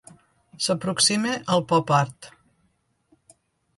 S'aproxima al Pop-art.